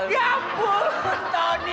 ya ampun tony